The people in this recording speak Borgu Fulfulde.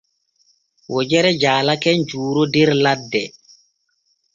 Wojere jaalake Juuro der ladde.